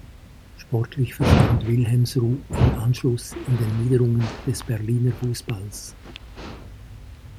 Sportlich verschwand Wilhelmsruh im Anschluss in den Niederungen des Berliner Fußballs.